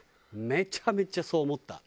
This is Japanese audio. めちゃめちゃそう思った。